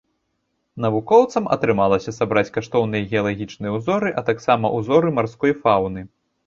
Навукоўцам атрымалася сабраць каштоўныя геалагічныя ўзоры, а таксама ўзоры марской фауны.